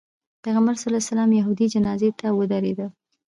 پیغمبر علیه السلام یهودي جنازې ته ودرېده.